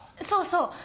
そうそう！